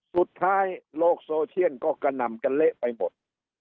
สุดท้ายโลกโซเชียลก็กระหน่ำกันเละไปหมด